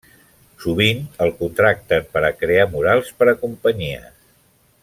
Sovint el contracten per a crear murals per a companyies.